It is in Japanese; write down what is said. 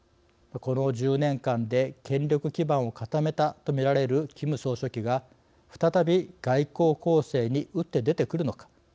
この１０年間で権力基盤を固めたとみられるキム総書記が再び外交攻勢に打って出てくるのか。